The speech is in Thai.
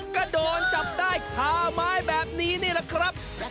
ก็โดนจับได้คาไม้แบบนี้นี่แหละครับ